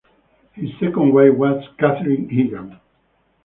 His second wife was Catherine Eagan.